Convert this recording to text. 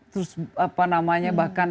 terus apa namanya bahkan